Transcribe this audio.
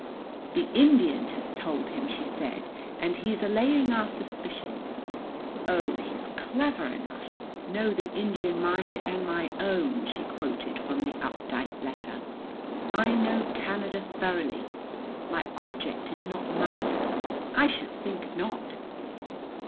"The Indian has told him," she said, "and he's allaying our suspicions. Oh, he's clever enough! 'Know the Indian mind and my own!'" she quoted from the Updike letter. "'I know Canada thoroughly.' 'My object is not money.' I should think not!"